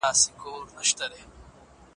آیا د ټولنې غړي سره تړلي دي؟